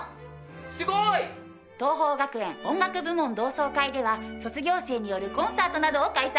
すごい！桐朋学園音楽部門同窓会では卒業生によるコンサートなどを開催。